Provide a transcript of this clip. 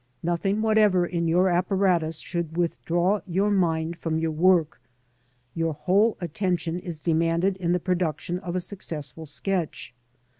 Nothing whatever in your apparatus should withdraw your mind from your work ; your ^ole attention is demanded in the production of a successful sketch.